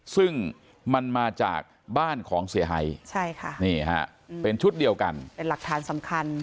ซึ่งมันมาจากบ้านของเสียหายใช่ค่ะนี่ฮะเป็นชุดเดียวกันเป็นหลักฐานสำคัญ